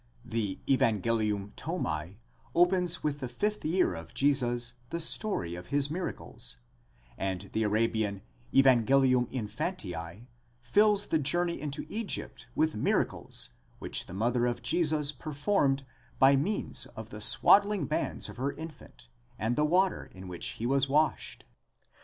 The Lvangelium Thome opens with the fifth year of Jesus the story of his miracles,' and the Arabian Zvangelium Infantia fills the journey into Egypt with miracles which the mother of Jesus performed by means of the swaddling bands of her infant, and the water in which he was washed.